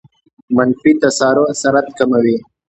منفي تسارع سرعت کموي.